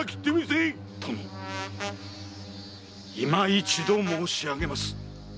殿今一度申し上げます。